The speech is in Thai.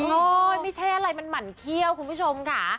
ไม่ใช่อะไรมันหมั่นเขี้ยวคุณผู้ชมค่ะ